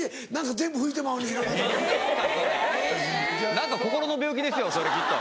何か心の病気ですよそれきっと。